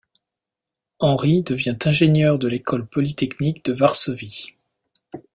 Henri devient ingénieur de l'école polytechnique de Varsovie.